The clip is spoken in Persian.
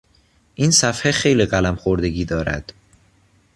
این صفحه خیلی قلم خوردگی دارد.